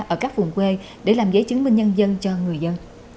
ở các vùng quê để làm giấy chứng minh nhân dân cho người dân